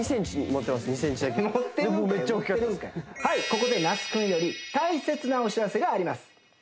はいここで那須君より大切なお知らせがあります